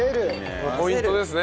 ここポイントですね。